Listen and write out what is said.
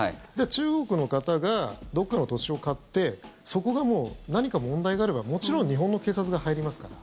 中国の方がどっかの土地を買ってそこがもう、何か問題があればもちろん日本の警察が入りますから。